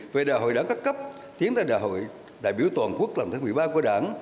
về đại hội đảng các cấp tiến tại đại hội đại biểu toàn quốc lần thứ một mươi ba của đảng